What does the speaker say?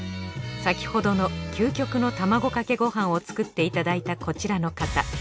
先ほどの究極の卵かけご飯を作っていただいたこちらの方。